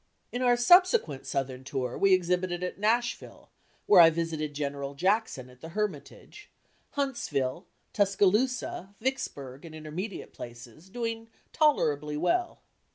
In our subsequent southern tour we exhibited at Nashville (where I visited General Jackson, at the Hermitage), Huntsville, Tuscaloosa, Vicksburg and intermediate places, doing tolerably well.